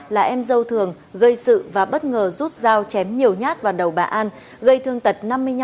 là em dâu thường gây sự và bất ngờ rút dao chém nhiều nhát vào đầu bà an gây thương tật năm mươi năm